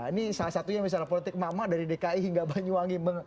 ini salah satunya misalnya politik mama dari dki hingga banyuwangi